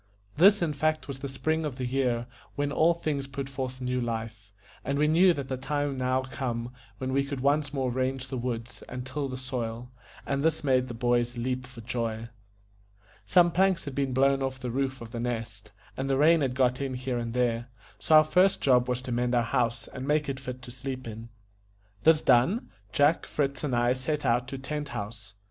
This in fact was the spring of the year, when all things put forth new life; and we knew that the time was now come when we could once more range the woods and till the soil, and this made the boys leap for joy. Some planks had been blown off the roof of The Nest, and the rain had got in here and there; so our first job was to mend our house, and make it fit to sleep in. This done, Jack, Fritz, and I set out to Tent House.